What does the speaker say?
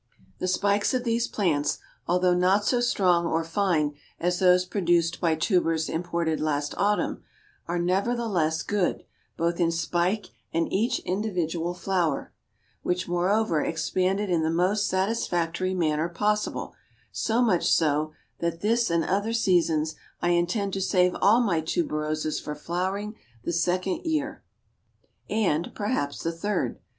The spikes of these plants, although not so strong or fine as those produced by tubers imported last autumn, are nevertheless good, both in spike and each individual flower, which, moreover, expanded in the most satisfactory manner possible, so much so, that this and other seasons I intend to save all my tuberoses for flowering the second year, and perhaps the third.